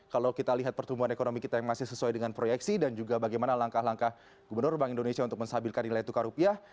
kalau kita lihat pertumbuhan ekonomi kita yang masih sesuai dengan proyeksi dan juga bagaimana langkah langkah gubernur bank indonesia untuk menstabilkan nilai tukar rupiah